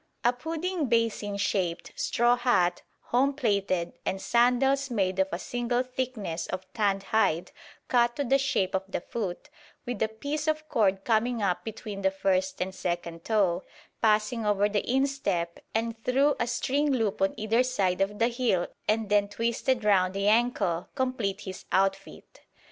A pudding basin shaped straw hat, home plaited, and sandals made of a single thickness of tanned hide cut to the shape of the foot, with a piece of cord coming up between the first and second toe, passing over the instep and through a string loop on either side of the heel and then twisted round the ankle, complete his outfit.